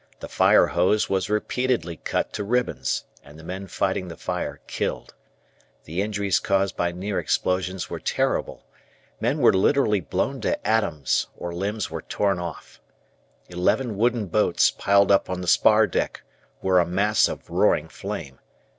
The fire hose was repeatedly cut to ribbons, and the men fighting the fire killed. The injuries caused by near explosions were terrible. Men were literally blown to atoms, or limbs were torn off. Eleven wooden boats piled up on the spar deck were a mass of roaring flame.